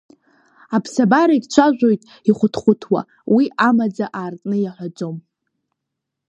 Аԥсабарагь цәажәоит ихәыҭхәыҭуа, уи амаӡа аартны иаҳәаӡом.